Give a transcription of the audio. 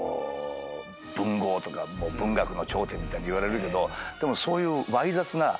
文豪とか文学の頂点みたいにいわれるけどでもそういうわい雑な。